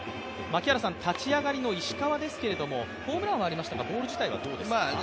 立ち上がりの石川ですけど、ホームランはありましたが、ボール自体はどうですか？